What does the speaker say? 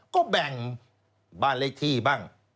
ก็แบ่งบ้านเลขที่บ้าง